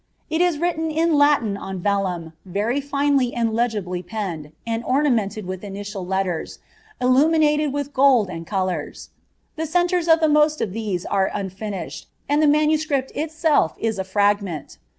li is written in Latin on vellum, very finely and legibly praaed^ and ornamented with initial letters, illuminated with gold and eokturs ; the centres of the most of these are aafinished, and the manu ■lipl ilMlf is a fragmenl.